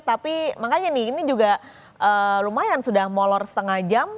tapi makanya nih ini juga lumayan sudah molor setengah jam